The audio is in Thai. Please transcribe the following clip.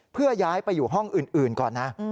เพื่อย้ายไปอยู่ห้องอื่นก่อนนะ